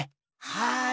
はい。